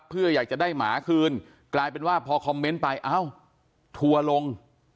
เพื่ออยากจะได้หมาคืนกลายเป็นว่าพอคอมเมนต์ไปเอ้าทัวร์ลง